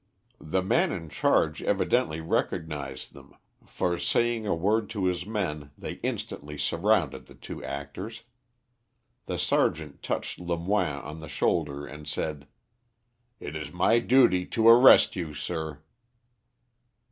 The man in charge evidently recognised them, for, saying a word to his men, they instantly surrounded the two actors. The sergeant touched Lemoine on the shoulder, and said "It is my duty to arrest you, sir."